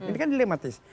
ini kan dilematis